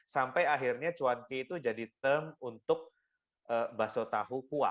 sampai akhirnya cuanki itu jadi term untuk baso tahu kuah